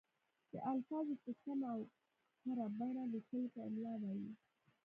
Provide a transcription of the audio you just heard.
د الفاظو په سمه او کره بڼه لیکلو ته املاء وايي.